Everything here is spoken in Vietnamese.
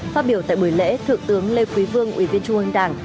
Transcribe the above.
phát biểu tại buổi lễ thượng tướng lê quý vương ủy viên trung ương đảng